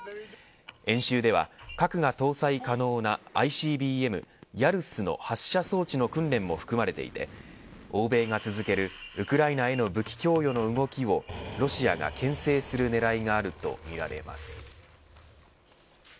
演習では核が搭載可能なＩＣＢＭ、ヤルスの発射装置の訓練も含まれていて欧米が続けるウクライナへの武器供与の動きをロシアがけん制する狙いがあるとみられます。